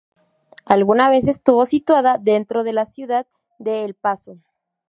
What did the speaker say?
Alguna vez estuvo situada dentro de la ciudad de El Paso.